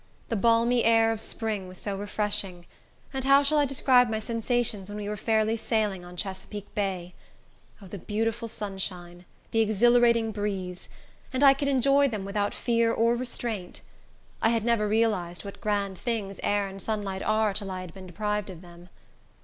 The balmy air of spring was so refreshing! And how shall I describe my sensations when we were fairly sailing on Chesapeake Bay? O, the beautiful sunshine! the exhilarating breeze! And I could enjoy them without fear or restraint. I had never realized what grand things air and sunlight are till I had been deprived of them.